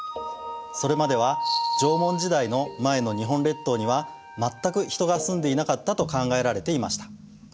それまでは縄文時代の前の日本列島には全く人が住んでいなかったと考えられていました。